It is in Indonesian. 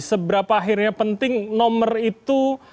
seberapa akhirnya penting nomor itu